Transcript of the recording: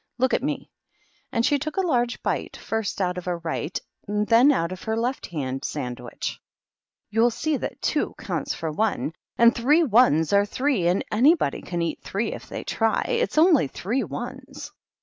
Look at me." And she took a large bite first out of her right and then out of her left hand sandwich. "You'll see that two counts for one, and three ones are three, and any body can eat three if they try. It's only three ones."